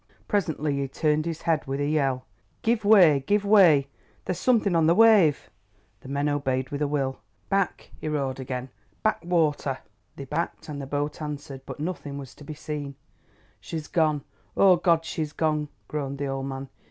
Presently he turned his head with a yell. "Give way—give way! there's something on the wave." The men obeyed with a will. "Back," he roared again—"back water!" They backed, and the boat answered, but nothing was to be seen. "She's gone! Oh, Goad, she's gone!" groaned the old man.